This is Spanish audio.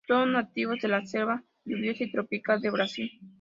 Son nativos de la selva lluviosa y tropical de Brasil.